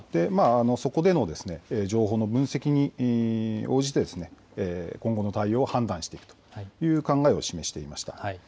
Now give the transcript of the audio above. そこでの情報の分析に応じて、今後の対応を判断していくという考えを示していました。